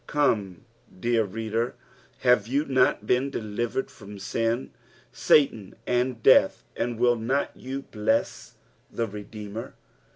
Come, dear reader, have you not been delivered from sin, Satan, and death, and will nut you bless the Redeemer